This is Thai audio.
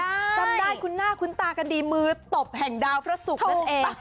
จำได้คุณหน้าคุ้นตากันดีมือตบแห่งดาวพระศุกร์นั่นเอง